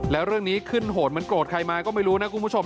แล้วเรื่องนี้ขึ้นโหดเหมือนโกรธใครมาก็ไม่รู้นะคุณผู้ชม